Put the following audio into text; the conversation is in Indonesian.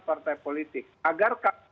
partai politik agar